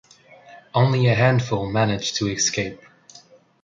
Only a handful managed to escape.